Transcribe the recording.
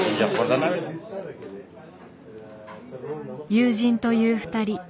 友人という２人。